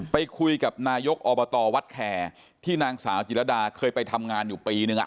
ไปคุยกับนายกอบตวัดแคร์ที่นางสาวจิรดาเคยไปทำงานอยู่ปีนึง